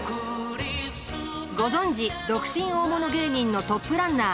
ご存じ独身大物芸人のトップランナー